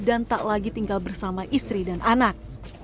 dan tak lagi tinggal bersama istri dan anak